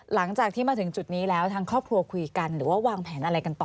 หลังจากที่มาถึงจุดนี้แล้วทางครอบครัวคุยกันหรือว่าวางแผนอะไรกันต่อ